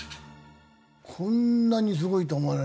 こんなにすごいと思わない。